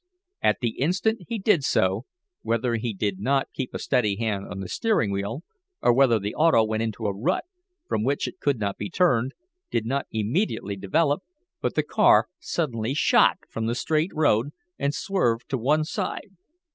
At the instant he did so, whether he did not keep a steady hand on the steering wheel, or whether the auto went into a rut from which it could not be turned, did not immediately develop, but the car suddenly shot from the straight road, and swerved to one side.